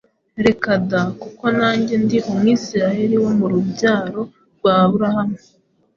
Reka da! Kuko nanjye ndi Umwisirayeli wo mu rubyaro rwa Aburahamu,